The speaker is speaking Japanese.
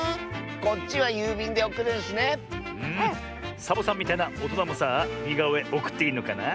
サボさんみたいなおとなもさあにがおえおくっていいのかな？